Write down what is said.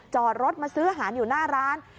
จอดรถมาซื้ออาหารอยู่หน้าร้าน